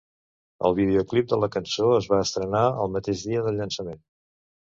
El videoclip de la cançó es va estrenar el mateix dia del llançament.